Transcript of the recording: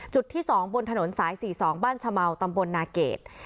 จุดที่๒บนถนน๔๒บ้านเขาตำบลนาเกษ